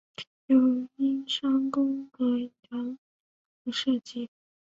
由英商公和洋行设计。